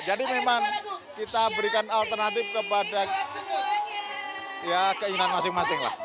jadi memang kita berikan alternatif kepada keinginan masing masing